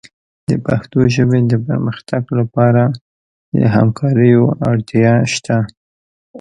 د پښتو ژبې د پرمختګ لپاره د همکاریو اړتیا شته.